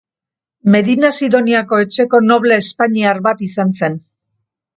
Medina-Sidoniako Etxeko noble espainiar bat izan zen.